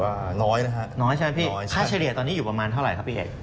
ค่าชะเรียกตอนนี้อยู่ของกรรมนี้อยู่ประมาณเท่าอะไรครับพี่เอก